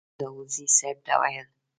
سهار به داوودزي صیب ته ویل.